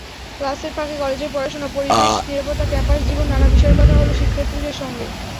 ক্লাসের ফাঁকে কলেজের পড়াশোনা, পরিবেশ, নিরাপত্তা, ক্যাম্পাস জীবন—নানা বিষয়ে কথা হলো শিক্ষার্থীদের সঙ্গে।